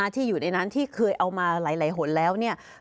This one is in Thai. ที่อยู่ในนั้นที่เคยเอามาหลายหนแล้วเนี่ย